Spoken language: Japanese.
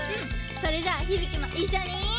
それじゃあヒビキもいっしょに。